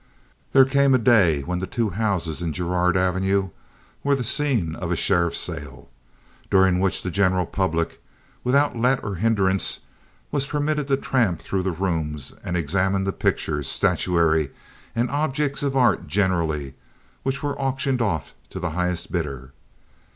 There came a day when the two houses in Girard Avenue were the scene of a sheriffs sale, during which the general public, without let or hindrance, was permitted to tramp through the rooms and examine the pictures, statuary, and objects of art generally, which were auctioned off to the highest bidder.